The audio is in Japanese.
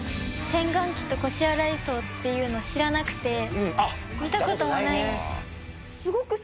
洗眼器と腰洗い槽っていうの知らなくて見たこともない。